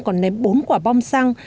còn ném bốn quả bom xăng